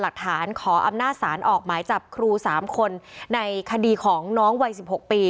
หลักฐานขออำนาจสารออกหมายจับครูสามคนในคดีของน้องวัยสิบหกปี